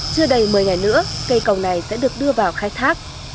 chưa đầy một mươi ngày nữa cây cầu này sẽ được đưa vào khai thác